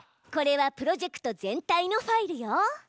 これはプロジェクト全体のファイルよ！